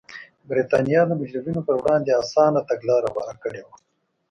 برېټانیا د مجرمینو پر وړاندې اسانه تګلاره غوره کړې وه.